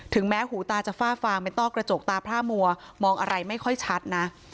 แม้หูตาจะฝ้าฟางเป็นต้อกระจกตาพร่ามัวมองอะไรไม่ค่อยชัดนะ